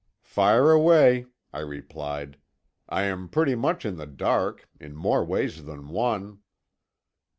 "Fire away," I replied. "I am pretty much in the dark—in more ways than one."